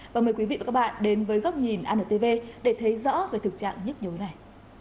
và mời quý vị và các bạn đến với góc nhìn antv để thấy rõ về thực trạng nhức nhối này